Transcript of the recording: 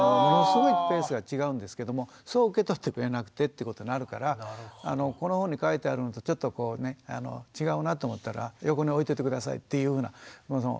ものすごいペースが違うんですけどもそう受け取ってくれなくてってことになるからこの本に書いてあるのとちょっとこうね違うなと思ったら横に置いといて下さいっていうような。